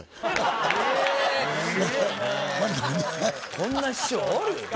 こんな師匠おる？